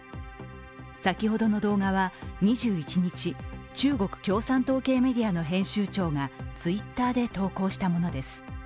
先ほどの動画は２１日、中国共産党系メディアの編集長がＴｗｉｔｔｅｒで投稿したものです。